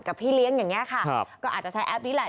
กับพี่เลี้ยงอย่างนี้ค่ะก็อาจจะใช้แอปนี้แหละ